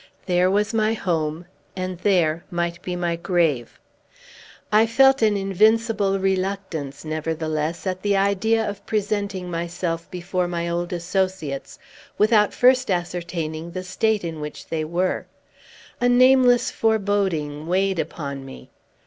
There was my home, and there might be my grave. I felt an invincible reluctance, nevertheless, at the idea of presenting myself before my old associates, without first ascertaining the state in which they were. A nameless foreboding weighed upon me.